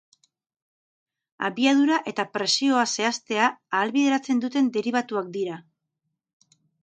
Abiadura eta presioa zehaztea ahalbideratzen duten deribatuak dira.